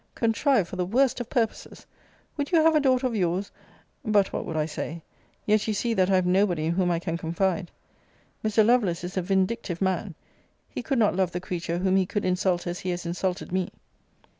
contrived for the worst of purposes! Would you have a daughter of your's But what would I say? Yet you see that I have nobody in whom I can confide! Mr. Lovelace is a vindictive man! He could not love the creature whom he could insult as he has insulted me!